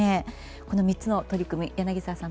この３つの取り組み、柳澤さん